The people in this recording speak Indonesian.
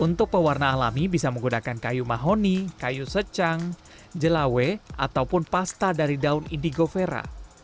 untuk pewarna alami bisa menggunakan kayu mahoni kayu secang jelawe ataupun pasta dari daun indigo vera